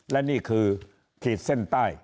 และนี่คือขีดเส้นใต้